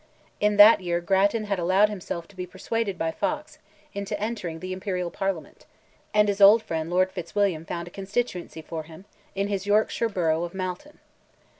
In that year Grattan had allowed himself to be persuaded by Fox, into entering the Imperial Parliament, and his old friend Lord Fitzwilliam found a constituency for him, in his Yorkshire borough of Malton.